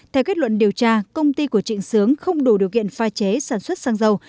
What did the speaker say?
theo kết luận điều tra công ty của trịnh sướng không đủ điều kiện pha chế sản xuất xăng dầu